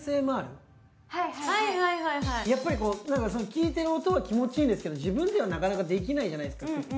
はいはいはいはいはいはいやっぱりこう聞いてる音は気持ちいいんですけど自分ではなかなかできないじゃないですか